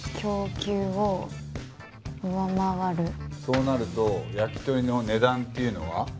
そうなると焼き鳥の値段っていうのは？